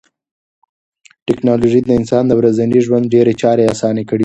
ټکنالوژي د انسان د ورځني ژوند ډېری چارې اسانه کړې دي.